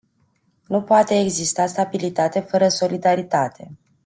Nu poate exista stabilitate fără solidaritate.